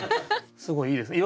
すごいいいですね